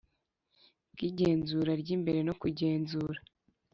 Bw igenzura ry imbere no kugenzura